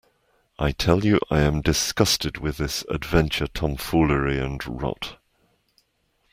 I tell you I am disgusted with this adventure tomfoolery and rot.